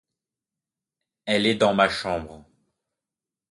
Elle est dans ma chambre.